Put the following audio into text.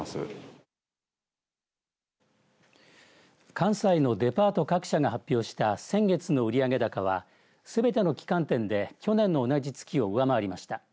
関西のデパート各社が発表した先月の売上高はすべての旗艦店で去年の同じ月を上回りました。